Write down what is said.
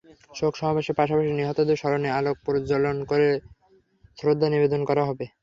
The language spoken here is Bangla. শোক সমাবেশের পাশাপাশি নিহতদের স্মরণে আলোক প্রজ্বলন করে শ্রদ্ধা নিবেদন করা হবে।